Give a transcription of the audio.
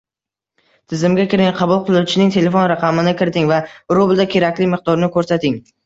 Tizimga kiring, qabul qiluvchining telefon raqamini kiriting va rublda kerakli miqdorni ko'rsating